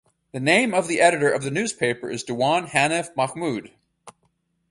The name of the editor of the newspaper is Dewan Hanif Mahmud.